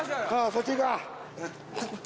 そっち行くわ。